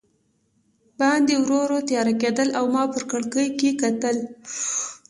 باندې ورو ورو تیاره کېدل او ما په کړکۍ کې کتل.